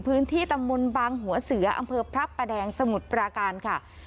พื้นที่ตำบลบางหัวเสืออำเภอพระประแดงสมุทรปราการค่ะ